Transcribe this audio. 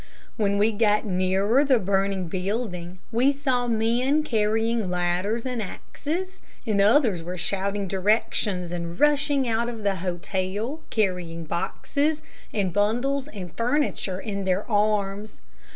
When we got nearer the burning building, we saw men carrying ladders and axes, and others were shouting directions, and rushing out of the hotel, carrying boxes and bundles and furniture in their arms.